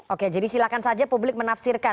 oke jadi silahkan saja publik menafsirkan